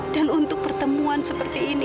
dan untuk pertemuan seperti ini